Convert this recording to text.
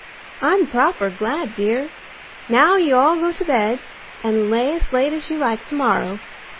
"I'm proper glad, dear. Now you all go to bed and lay as late as you like to morrow.